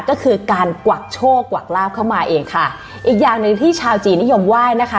ก็คือการกวักโชคกวักลาบเข้ามาเองค่ะอีกอย่างหนึ่งที่ชาวจีนนิยมไหว้นะคะ